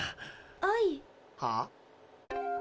はあ？